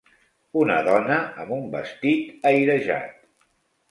Una dona amb un vestit airejat